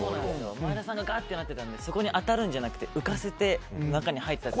前田さんががっとなってたのでそこに当たるんじゃなくて浮かせて中に入ったと。